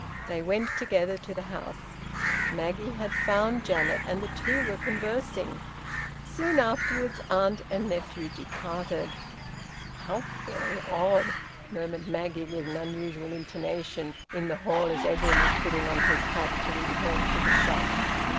They went together to the house. Maggie had found Janet, and the two were conversing. Soon afterwards aunt and nephew departed. "How very odd!" murmured Maggie, with an unusual intonation, in the hall, as Edwin was putting on his hat to return to the shop.